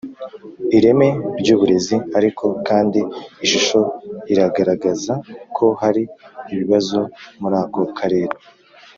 ireme ryuburezi Ariko kandi ishusho iragaragaza ko hari ibibazo murako karere